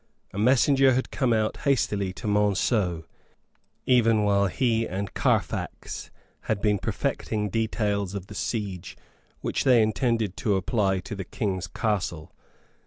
A messenger had come out hastily to Monceux, even while he and Carfax had been perfecting details of the siege which they intended to apply to the knight's castle.